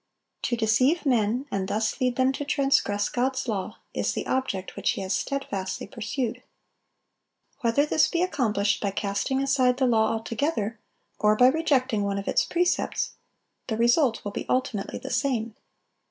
To deceive men, and thus lead them to transgress God's law, is the object which he has steadfastly pursued. Whether this be accomplished by casting aside the law altogether, or by rejecting one of its precepts, the result will be ultimately the same.